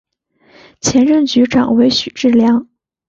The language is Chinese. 前任局长为许志梁。